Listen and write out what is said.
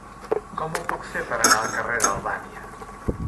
Com ho puc fer per anar al carrer d'Albània?